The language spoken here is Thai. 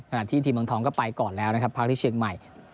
ที่ทีมเมืองทองก็ไปก่อนแล้วนะครับพักที่เชียงใหม่